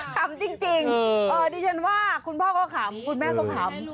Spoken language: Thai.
ขำจริงดิฉันว่าคุณพ่อก็ขำคุณแม่ก็ขำ